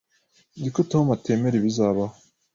Nzi ko Tom atemera ibizabaho.